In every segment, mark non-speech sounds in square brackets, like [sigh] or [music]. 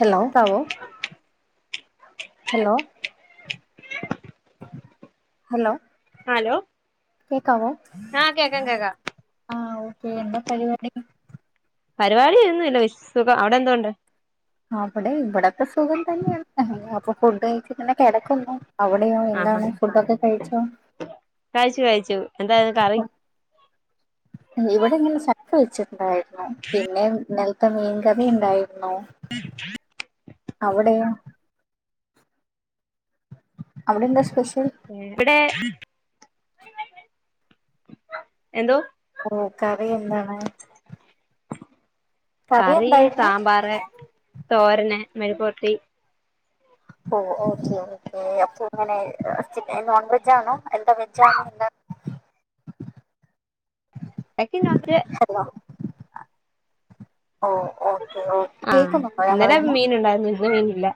hello [unintelligible] hello hello hello കേക്കാവോ ആഹ് കേക്കാം കേക്കാം ആ ഓക്കെ എന്താ പരിപാടി പരിപാടിയൊന്നും ഇല്ല വിസുഖം അവ്ടെ എന്തൊണ്ട് അവിടെ ഇവിട ഒക്കെ സുഖം തന്നെയാണ് അപ്പൊ ഫുഡ് കഴിച്ചിട്ടന്നെ കെടക്കുന്നു അവിടെയോ ആഹാ എന്താണ് ഫുഡൊക്കെ കഴിച്ചോ കഴിച്ചു കഴിച്ചു എന്തായ്നു കറി ഇവിടെ ഇങ്ങനെ സക്ക വെച്ചിട്ടുണ്ടായിരുന്നു പിന്നെ ത്ത മീൻകറി ഉണ്ടായിരുന്നു അവടെയോ അവിടെ എന്താ സ്പെഷ്യൽ ഇവിടെ എന്തോ ഓഹ് കറി എന്താണ് കറി സാമ്പാർ തോരന് മെഴുക്കുപൊര്ട്ടി ഓഹ് ഓക്കേ ഓക്കേ അപ്പൊ ഇങ്ങനെ നോൺ വെജാണോ എന്താ വെജാണോ എന്താ [unintelligible] ഓഹ് ഓക്കെ ഓക്കെ ആഹ് ഇന്നലെ മീൻ ഉണ്ടായിരുന്നു ഇന്ന് മീനില്ല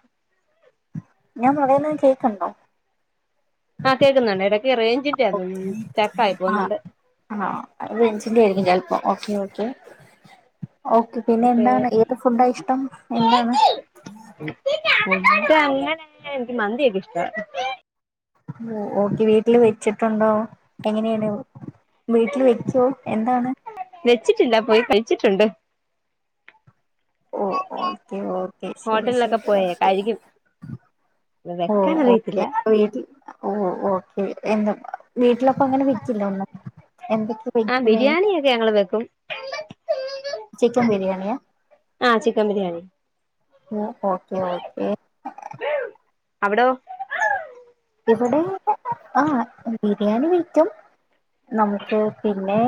ഞാൻ പറയ്ണെ കേൾക്ക്ണ്ടോ ആഹ് കേക്കുന്നൊണ്ട് എടയ്ക്ക് റേഞ്ചിൻ്റെ ആന്നു തോന്നുന്ന് സ്റ്റക്ക് ആയി ആഹ് പോകുന്നൊണ്ട് ആഹ് അത് റൂംസിന്റെ ആയിരിക്കും ചെലപ്പോ ഓക്കെ ഓക്കെ ഓക്ക് പിന്നെ പക്ഷേ എന്താണ് ഏത് ഫുഡാ ഇഷ്ടം എന്താണ് ഫുഡ് അങ്ങനെ എനിക്ക് മന്തിയൊക്കെ ഇഷ്ടവാ ഓഹ് ഒക്കെ വീട്ടില് വെച്ചിട്ടൊണ്ടോ എങ്ങനെയാണ് വീട്ടിൽ വെക്കോ എന്താണ് വെച്ചിട്ടില്ല പോയി കഴിച്ചിട്ടൊണ്ട് ഓഹ് ഓക്കെ ഓക്കെ ശരി ഹോട്ടലിലൊക്കെ ശരി ഓക്കെ വെ വെക്കാനറിയത്തില്ല അപ്പൊ വീട്ടിൽ ഓഹ് ഓക്കെ എന്താ വീട്ടിലപ്പ അങ്ങനെ വെക്കില്ലേ ഒന്നും എന്തൊക്ക ആഹ് ബിരിയാണിയൊക്കെ ഞങ്ങള് വെക്കും [unintelligible] ചിക്കൻ ബിരിയാണിയാ ആഹ് ചിക്കൻ ബിരിയാണി ഉം ഓക്കേ ഓക്കേ അവിടോ ഇവടേം ആഹ് ബിരിയാണി വയ്ക്കും നമുക്ക് പിന്നെ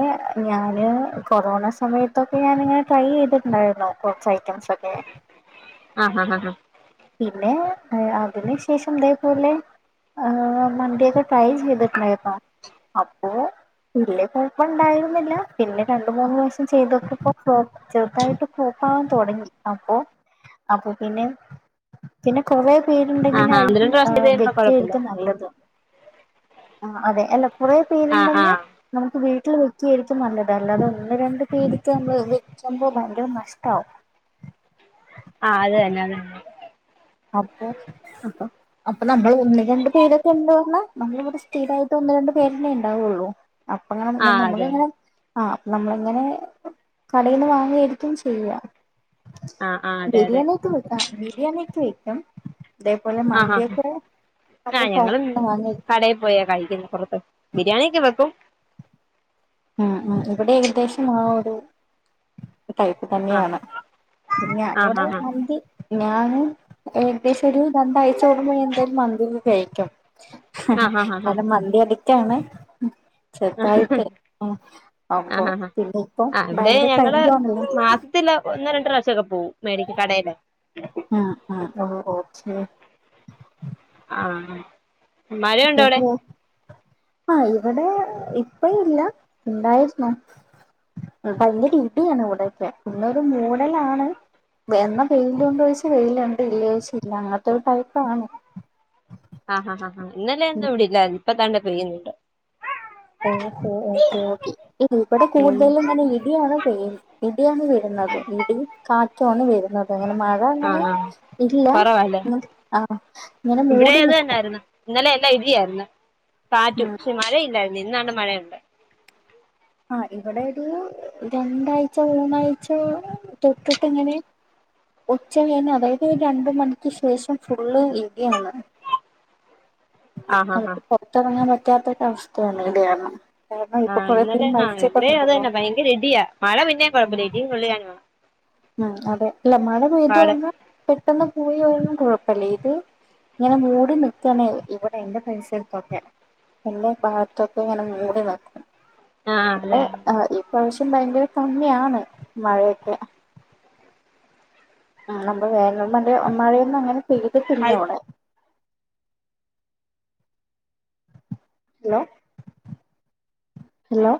ഞാന് കൊറോണ സമയത്തൊക്കെ ഞാനിങ്ങനെ ട്രൈ ചെയ്തി ട്ടുണ്ടായിരുന്നു കൊറച്ച് ഐറ്റംസ് ഒക്കെ ആഹ് ഹ ഹാ പിന്നെ അ അതിനു ശേഷം ഇതേപോലെ ആഹ് മന്തിയൊക്കെ ട്രൈ ചെയ്തിട്ടുണ്ടാരുന്നോ അപ്പോ വല്ല്യ കൊഴപ്പോണ്ടായിരുന്നില്ല പിന്നെ രണ്ടു മൂന്ന് ദിവസം ചെയ്തോക്കിയപ്പോ ചെറുതായിട്ട് ഫ്ലോപ്പാവാൻ തൊടങ്ങി അപ്പൊ അപ്പൊ പിന്നെ പിന്നെ കൊറേ ആഹ് ആഹ് ഒന്ന് പേരുണ്ടെങ്കിലാരിക്കും രണ്ട് പ്രാവശ്യം ചെയ്ത് ആഹ് കഴിയുമ്പോ കൊഴപ്പല്ല [unintelligible] നല്ലത് ആഹ് അതെ അല്ല കൊറേ ആഹ് പേരുണ്ടങ്ങ ആഹ് നമുക്ക് വീട്ടില് വെക്കായിരിക്കും നല്ലത് അല്ലാതെ ഒന്ന് രണ്ട് പേര്ക്ക് നമ്മള് വെ [unintelligible] ഭയങ്കര നഷ്ടാവും ആഹ് അതന്നെ അതന്നെ അപ്പൊ അപ്പൊ നമ്മള് ഒന്ന് രണ്ട് പേരൊക്കെ ഉണ്ട്പറഞ്ഞാ നമ്മൾ ഇവ്ടെ സ്ഥിരായിട്ട് ഒന്ന് രണ്ട് പേരന്നെ ഉണ്ടാവൊള്ളു അപ്പങ്ങനെ ആഹ് അതെ നമ്മളിങ്ങനെ ആഹ് അപ്പൊ നമ്മളിങ്ങനെ കടേന്ന് വാങ്ങിയാരിക്കും ചെയ്യുക ആഹ് ആഹ് അതെ അതെ ബിരിയാണിയൊക്കെ വെക്ക ബിരിയാണിയൊക്കെ വെക്കും അതേപോലെ ആഹ് ആഹ് മന്തിയൊക്കെ നമ്മള് ആഹ് ഞങ്ങളും പുറത്തുന്ന് വാങ്ങി കടേ പോയാ കഴിക്കുന്നെ പൊറ ബിരിയാണിയെക്ക വെക്കും ഉം ഉം ഇവിടെ ഏകദേശം ആ ഒരു ടൈപ്പ് ആഹ് തന്നെയാണ് പിന്നെ ആഹ് ഇവിടെ ആഹ് മന്തി ഞാന് ഏകദേശം ഒരു രണ്ടാഴ്ച കൂടുമ്പോ എന്തായാലും മന്തിപോയി കഴിക്കും ആഹ് ആഹ് കാരണം മന്തി അടിക്റ്റാണ് ആഹ് ചെറ്തായിട്ട് ഉം അപ്പൊ ആഹ് ആഹ് പിന്നെ ഇപ്പോ ഭയങ്കര [unintelligible] ത്തില്ല ഒന്ന് രണ്ട് പ്രാവശ്യൊക്കെ പോവും മേടിക്കാൻ കടേല് ആഹ് ആഹ് ഓഹ് ഒക്കെ ആഹ് മഴയുണ്ടോ അവിടെ [unintelligible] ആഹ് ഇവടെ ഇപ്പ ഇല്ല ഉണ്ടായിരുന്നു അപ്പയ്ന്റെ [unintelligible] ഇവിടൊക്കെ പിന്നൊരു മൂടലാണ് എന്ന വെയിലുണ്ട് ചോയ്ച്ച വെയിലുണ്ട് ഇല്ലെ ചോയ്ച്ച ഇല്ല അങ്ങനത്തെ ഒരു ടൈപ്പാണ് ആഹ് ആഹ് ആഹ് ഇന്നലെ ഒന്നും ഇവിടില്ല ഇപ്പതാണ്ടേ പെയ്യുന്നുണ്ട് ഓഹോ ഓക്കേ ഓക്കേ ഇ ഇവിടെ ഉം കൂടുതലും തന്നെ ഇടിയാണ് പെയ്യു ഇടിയാണ് വരുന്നത് ഇടി കാറ്റുമാണ് വരുന്നത് അങ്ങനെ മഴ അങ്ങനെ ആഹ് ആഹ് ഇല്ല കൊറവാല്ലേ ആഹ് ഇങ്ങന ആഹ് മൂടി നിക്ക് ന്നായിരുന്നു ഇന്നലെ എല്ലാം ഇടിയായിരുന്നു കാറ്റും ഉം പക്ഷെ മഴയില്ലായിരുന്നു ഇന്നാണെ മഴയുണ്ട് ആഹ് ഇവിടെ ഒരു രണ്ടാഴ്ച മൂന്നാഴ്ച തൊട്ട്ട്ട് ഇങ്ങനെ ഉച്ച കയിഞ്ഞ് അതായത് ഒരു രണ്ട്മണിക്ക് ശേഷം ഫുള്ള് ഇടിയാണ് ആഹ് ഹാഹ് നമുക്ക് പുറത്തിറങ്ങാൻ പറ്റാത്തൊരു അവസ്ഥയാണ് ഇത് കാരണം കാരണം ഇപ്പൊ ആഹ് ഇന്നലെ കൊറെപേര് ആഹ് ഇവിടെ മരിച്ചിട്ടൊക്കെ അത് ഉണ്ടല്ലോ തന്നെ ഭയങ്കര ഇടിയാ മഴ പിന്നേം കുഴപ്പല്ല ഇടി [unintelligible] ഉം അതെ ഇല്ല മഴ പെയ്തു പറഞ്ഞാൽ പെട്ടെന്ന് പോയി ഒന്നും കുഴപ്പല്ല ഇത് ഇങ്ങനെ മൂടി നിക്കാണേയ് ഇവിടെ എന്റെ പരിസരത്തൊക്കെ എന്നെ ഭാഗത്തൊക്കെ ഇങ്ങനെ മൂടലാ ആഹ് ലേ ആഹ് ഈപ്രാവശ്യം ഭയങ്കര കമ്മിയാണ് മഴയൊക്കെ ആഹ് നമ്മളെ വേനൽ മഴ മഴയൊന്നും അങ്ങനെ അതെ പെയ്തിട്ടില്ലവ്ടെ ഹലോ ഹലോ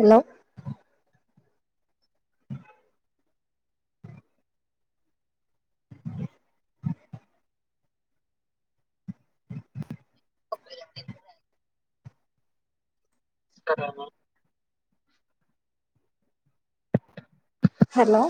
ഹലോ [inaudible] [inaudible] ഹലോ